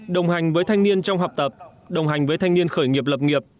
đồng hành với thanh niên trong học tập đồng hành với thanh niên khởi nghiệp lập nghiệp